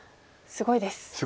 すごいです。